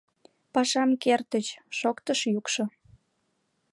— Пашам кертыч! — шоктыш йӱкшӧ.